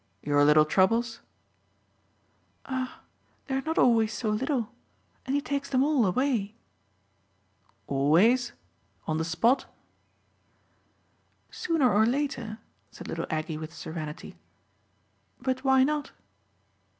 "Your little troubles?" "Ah they're not always so little! And he takes them all away." "Always? on the spot?" "Sooner or later," said little Aggie with serenity. "But why not?"